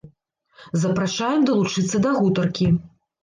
Запрашаем далучыцца да гутаркі.